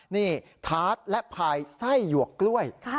นี่ทาสและพายไส้หยวกกล้วย